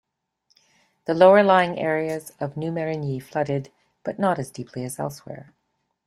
The lower-lying areas of New Marigny flooded, but not as deeply as elsewhere.